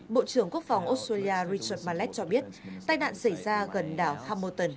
bộ trưởng quốc phòng australia richard mallett cho biết tai nạn xảy ra gần đảo hamilton